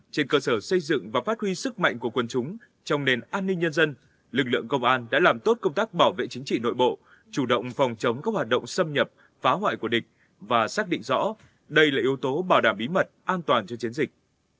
trên cơ sở xây dựng và phát huy sức mạnh của quân chúng trong nền an ninh nhân dân lực lượng công an đã làm tốt công tác bảo vệ chính trị nội bộ chủ động phòng chống các hoạt động xâm nhập phá hoại của địch và xác định rõ đây là yếu tố bảo đảm bí mật an toàn cho chiến dịch